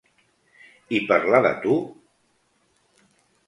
I parlar de tu?